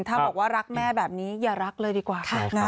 ถ้าบอกว่ารักแม่แบบนี้อย่ารักเลยดีกว่า